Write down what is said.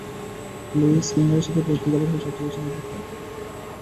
Luis ফিগোর সঙ্গে পর্তুগালের হয়ে সবচেয়ে বেশি ম্যাচ খেলা হয়ে গেল তাঁর।